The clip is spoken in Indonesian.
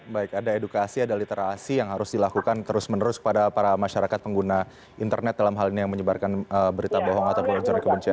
baik ada edukasi ada literasi yang harus dilakukan terus menerus kepada para masyarakat pengguna internet dalam hal ini yang menyebarkan berita bohong atau pengejaran kebencian